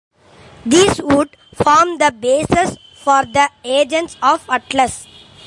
This would form the basis for the Agents of Atlas.